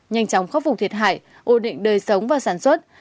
nhanh chóng khắc phục thiệt hại ổn định đời sống và sản xuất